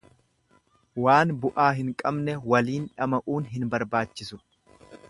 Waan bu'aa hin qabne waliin dhama'uun hin barbaachisu.